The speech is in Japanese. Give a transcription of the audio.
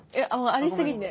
ありすぎて。